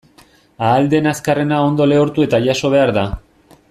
Ahal den azkarrena ondo lehortu eta jaso behar da.